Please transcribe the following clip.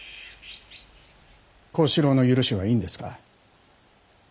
小四郎の許しはいいんですか。